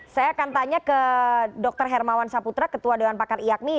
saya akan tanya ke dr hermawan saputra ketua dewan pakar iakmi